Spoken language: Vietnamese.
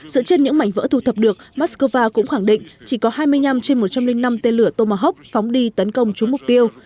dựa trên những mảnh vỡ thu thập được moscow cũng khẳng định chỉ có hai mươi năm trên một trăm linh năm tên lửa tomahawk phóng đi tấn công trúng mục tiêu